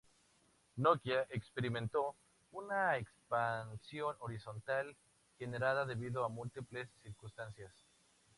Nokia experimentó una expansión horizontal generada debido a múltiples circunstancias.